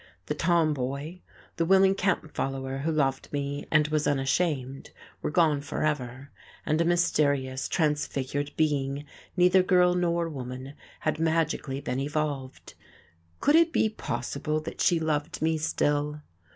The tomboy, the willing camp follower who loved me and was unashamed, were gone forever, and a mysterious, transfigured being, neither girl nor woman, had magically been evolved. Could it be possible that she loved me still?